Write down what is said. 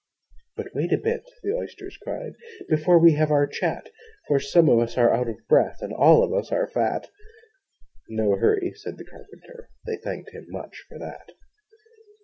'But wait a bit,' the Oysters cried, 'Before we have our chat; For some of us are out of breath, And all of us are fat!' 'No hurry!' said the Carpenter. They thanked him much for that.